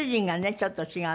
ちょっと違う。